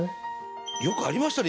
よくありましたね